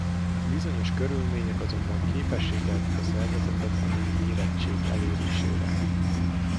Bizonyos körülmények azonban képessé tehetik a szervezetet a nemi érettség elérésére.